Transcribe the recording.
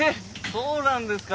そうなんですか。